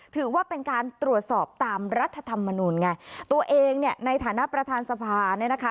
ถือว่าเป็นการตรวจสอบตามรัฐธรรมนูลไงตัวเองเนี่ยในฐานะประธานสภาเนี่ยนะคะ